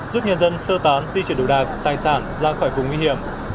giúp nhân dân sơ tán di chuyển đồ đạc tài sản ra khỏi vùng nguy hiểm